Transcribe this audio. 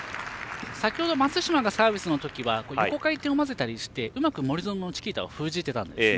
先ほど松島がサービスの時は横回転を交ぜたりしてうまく森薗のチキータを封じていたんですね。